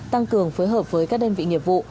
tăng cường phối hợp với các đơn vị nghiệp vụ